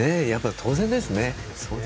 当然ですね。